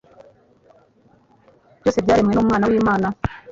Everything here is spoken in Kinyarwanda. Byose byaremwe n’Umwana w’Imana.